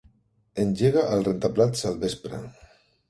Engega el rentaplats al vespre.